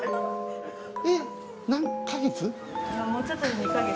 えっ何か月？